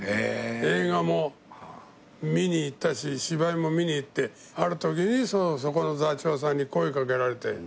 映画も見に行ったし芝居も見に行ってあるときにそこの座長さんに声掛けられて。